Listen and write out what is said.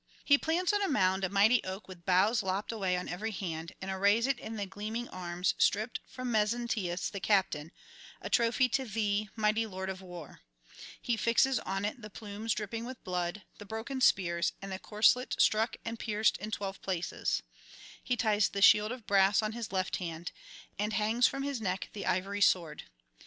He plants on a mound a mighty oak with boughs lopped away on every hand, and arrays it in the gleaming arms stripped from Mezentius the captain, a trophy to thee, mighty Lord of War; he fixes on it the plumes dripping with blood, the broken spears, and the corslet struck and pierced in twelve places; he ties the shield of brass on his left hand, and hangs from his neck the ivory sword.